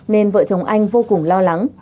nên vợ chồng anh vô cùng lo lắng